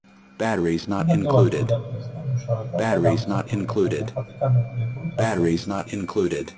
ფერადოვანი ზედაპირის დამუშავება და გამოსახულებათა ნახატი გამარტივებული ხასიათისაა.